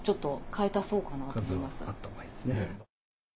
数はあったほうがいいですね。